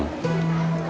gak ada yang masak